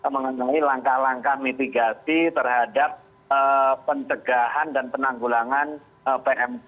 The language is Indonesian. mengenai langkah langkah mitigasi terhadap pencegahan dan penanggulangan pmk